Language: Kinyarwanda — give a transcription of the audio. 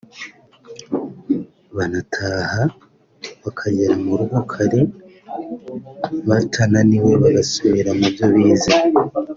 banataha bakagera mu rugo kare batananiwe bagasubira mu byo bize